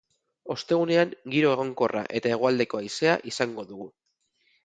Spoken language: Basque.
Ostegunean giro egonkorra eta hegoaldeko haizea izango dugu.